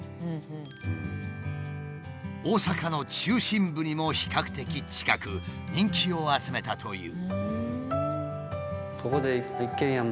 大阪の中心部にも比較的近く人気を集めたという。